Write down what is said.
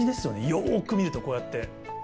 よく見るとこうやって。